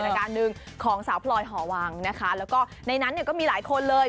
การหนึ่งของสาวพลอยหอวังนะคะแล้วก็ในนั้นเนี่ยก็มีหลายคนเลย